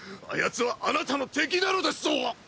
あやつはあなたの敵なのですぞ！！